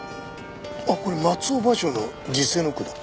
あっこれ松尾芭蕉の辞世の句だ。